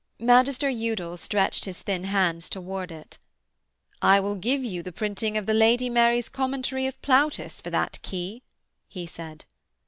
Magister Udal stretched his thin hands towards it. 'I will give you the printing of the Lady Mary's commentary of Plautus for that key,' he said.